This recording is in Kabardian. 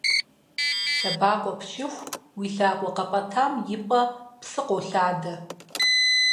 Лъэбакъуэ пчыху, уи лъакъуэ къэпӀэтам и пӀэ псы къолъадэ.